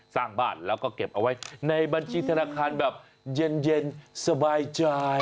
สร้างบ้านแล้วก็เก็บเอาไว้ในบัญชีธนาคารแบบเย็นสบายใจ